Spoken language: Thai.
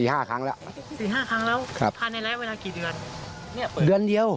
ใช่ครับเพราะว่ายิงบ่อย